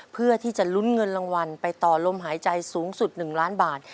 เพื่อที่จะลุ้นเงินรางวัลไปต่อลมหายใจสูงสุด๑ล้านบาท